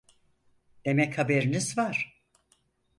Demek haberiniz var!